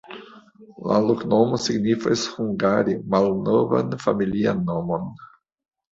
La loknomo signifas hungare malnovan familian nomon.